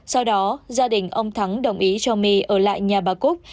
sau đó gia đình ông thắng đồng ý cho my ở lại nhà bà cúc